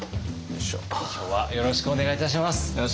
今日はよろしくお願いいたします。